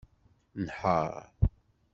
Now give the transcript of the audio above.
Nheṛ!